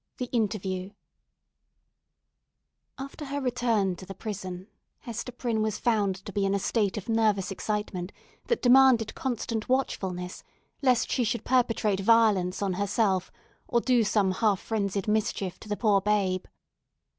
IV. THE INTERVIEW After her return to the prison, Hester Prynne was found to be in a state of nervous excitement, that demanded constant watchfulness, lest she should perpetrate violence on herself, or do some half frenzied mischief to the poor babe.